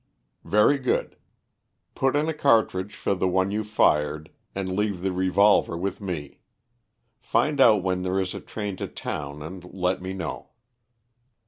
"Very good. Put in a cartridge for the one you fired and leave the revolver with me. Find out when there is a train to town, and let me know."